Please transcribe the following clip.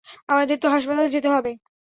আমাদের তো হাসপাতালে যেতে হবে।